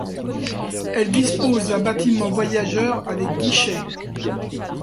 Elle dispose d'un bâtiment voyageurs avec guichets.